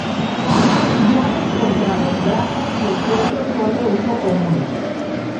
Llaves contra los brazos y el cuello son de uso común.